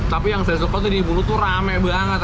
tapi yang saya suka tuh di bulu tuh rame banget